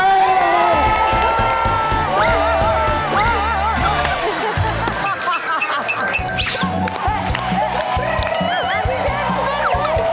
พี่เชฟด้วย